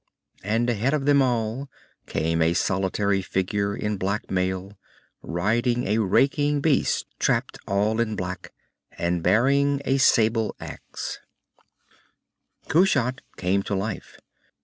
And ahead of them all came a solitary figure in black mail, riding a raking beast trapped all in black, and bearing a sable axe. Kushat came to life.